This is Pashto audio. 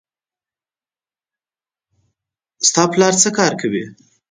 د تا پلار څه کار کوی